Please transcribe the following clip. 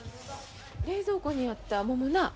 冷蔵庫にあった桃な。